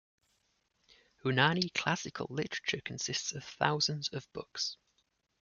Unani classical literature consists of thousands of books.